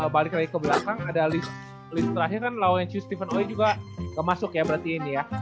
balik lagi ke belakang ada list terakhir kan lauren chiu steven ooi juga kemasuk ya berarti ini ya